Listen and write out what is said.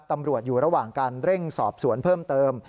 ตำรวจอยู่ระหว่างการเร่งสอบสวนเพิ่มเติม